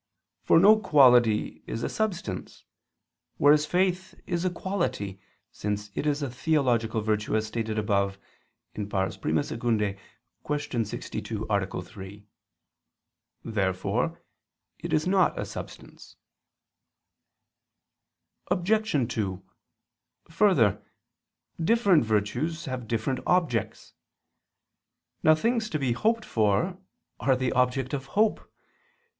For no quality is a substance: whereas faith is a quality, since it is a theological virtue, as stated above (I II, Q. 62, A. 3). Therefore it is not a substance. Obj. 2: Further, different virtues have different objects. Now things to be hoped for are the object of hope.